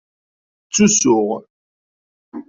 Ttusuɣ.